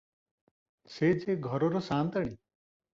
ସେ ଯେ ଘରର ସାନ୍ତାଣୀ ।